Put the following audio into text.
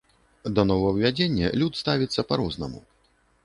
Да новаўвядзення люд ставіцца па-рознаму.